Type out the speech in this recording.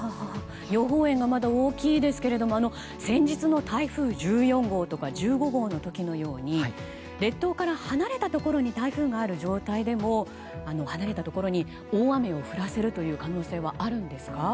予報円がまだ大きいですが先日の台風１４号とか１５号の時のように列島から離れたところに台風がある状態でも離れたところに大雨を降らせる可能性はあるんですか？